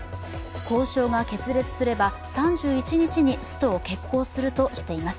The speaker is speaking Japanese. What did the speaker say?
交渉が決裂すれば、３１日にストを決行するとしています。